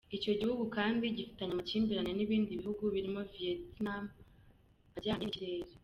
Icyo gihugu kandi gifitanye amakimbirane n’ibindi bihugu birimo Vietnam, ajyanye n’ikirere.